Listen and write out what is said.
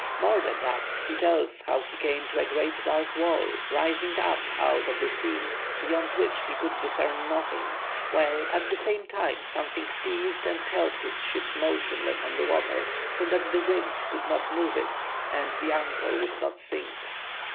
More than that, he tells how he came to a great dark wall rising up out of the sea, beyond which he could discern nothing, while at the same time something seized and held his ship motionless on the water, so that the winds could not move it and the anchor would not sink.